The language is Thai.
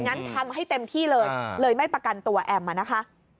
งั้นทำให้เต็มที่เลยเลยไม่ประกันตัวแอมมานะคะ